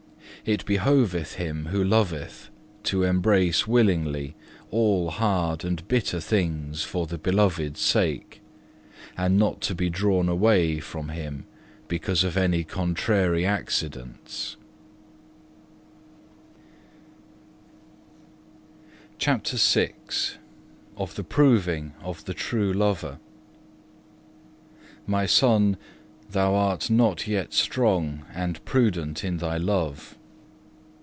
It behoveth him who loveth to embrace willingly all hard and bitter things for the Beloved's sake, and not to be drawn away from Him because of any contrary accidents. (1) 2 Corinthians i. 3. CHAPTER VI Of the proving of the true lover "My Son, thou art not yet strong and prudent in thy love."